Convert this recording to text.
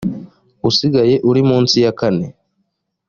usigaye uri munsi ya kane